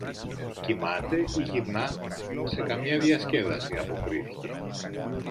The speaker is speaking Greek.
Κοιμάται ή γυρνά σε καμιά διασκέδαση, αποκρίθηκε.